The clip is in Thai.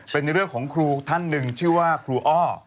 เป็นเรื่องของครูท่านหนึ่งชื่อว่าครูอ้อ